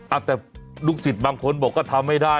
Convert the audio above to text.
อ่ะแต่ลูกศิษย์บางคนบอกก็ทำไม่ได้